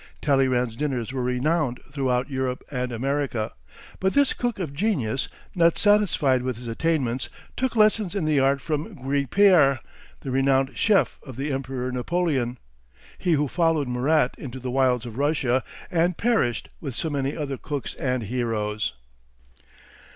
Talleyrand's dinners were renowned throughout Europe and America. But this cook of genius, not satisfied with his attainments, took lessons in the art from Guipière, the renowned chef of the Emperor Napoleon he who followed Murat into the wilds of Russia and perished with so many other cooks and heroes.